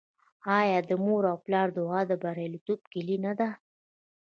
آیا د مور او پلار دعا د بریالیتوب کیلي نه ده؟